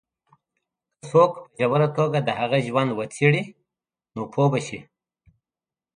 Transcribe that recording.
که څوک په ژوره توګه د هغه ژوند وڅېـړي، نو پوه به شي.